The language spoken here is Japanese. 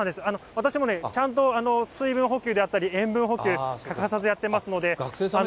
私もね、ちゃんと水分補給だったり、塩分補給、欠かさずやってますので。